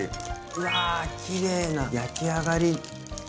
うわきれいな焼き上がり。